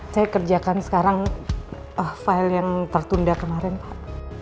saya kerjakan sekarang file yang tertunda kemarin pak